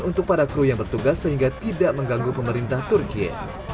untuk para kru yang bertugas sehingga tidak mengganggu pemerintah turkiye